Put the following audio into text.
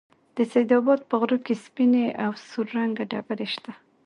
د سيدآباد په غرو كې سپينې او سور رنگه ډبرې شته